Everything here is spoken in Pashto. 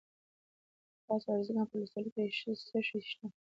د خاص ارزګان په ولسوالۍ کې څه شی شته؟